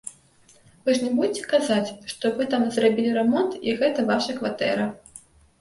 Вы ж не будзеце казаць, што вы там зрабілі рамонт і гэта ваша кватэра.